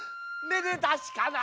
めでたしかな。